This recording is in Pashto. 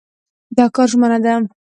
دا کار ژمنه ده.